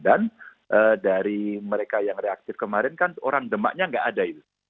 dan dari mereka yang reaktif kemarin kan orang demaknya nggak ada itu